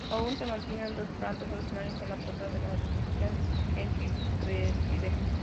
Aún se mantienen dos plantas originales, en la "Posada de la Misión" en Riverside.